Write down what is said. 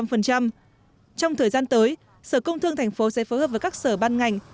trong thời gian tới sở công thương thành phố sẽ phối hợp với các sở ban ngành